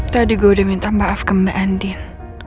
tadi gue udah minta maaf ke mbak andil